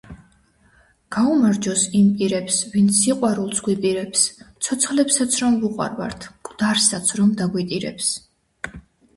გაუმარჯოს იმ პირებს ვინც სიყვარულს გვიპირებს, ცოცხლებსაც რომ ვუყვარვართ მკვდარსაც რომ დაგვიტირებს.